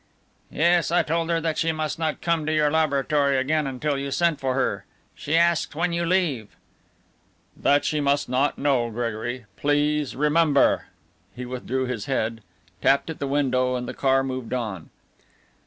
"Yes, I told her that she must not come to your laboratory again until you sent for her. She asked when you leave." "That she must not know, Gregory please remember." He withdrew his head, tapped at the window and the car moved on.